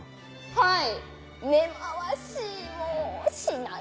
はい！